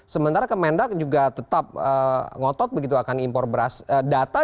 sementara kemendak juga tetap ngotot begitu akan impor beras data